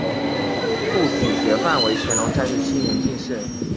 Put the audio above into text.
父许学范为乾隆三十七年进士。